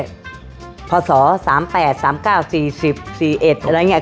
คุณพ่อมีลูกทั้งหมด๑๐ปี